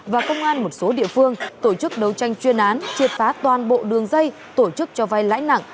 và công an một số địa phương tổ chức đấu tranh chuyên án triệt phá toàn bộ đường dây tổ chức cho vai lãi nặng